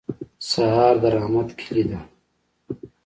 سهار د رحمت کلي ده.